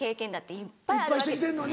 いっぱいして来てるのに。